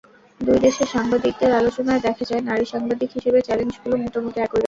দুই দেশের সাংবাদিকদের আলোচনায় দেখা যায়, নারী সাংবাদিক হিসেবে চ্যালেঞ্জগুলো মোটামুটি একই রকম।